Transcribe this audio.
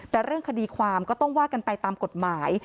แต่เรื่องคดีความก็ต้องว่ากันไปตามกฎหมาย